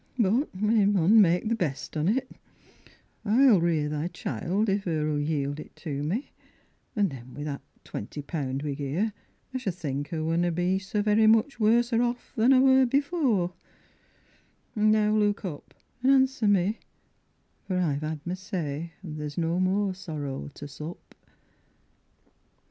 But we maun ma'e the best on't I'll rear thy childt if 'er'll yield it to me, An' then wi' that twenty pound we gi'e 'er I s'd think 'er wunna be So very much worser off than 'er wor before An' now look up An' answer me for I've said my say, an' there's no more sorrow to sup.